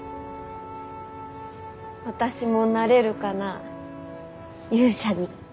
私もなれるかな勇者に。